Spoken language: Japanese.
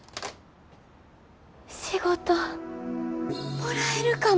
仕事もらえるかも。